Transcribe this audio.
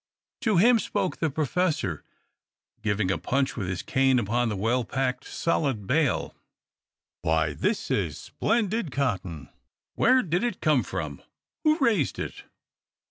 To him spoke the Professor, giving a punch with his cane upon the well packed, solid bale: "Why, this is splendid cotton! Where did it come from? Who raised it?"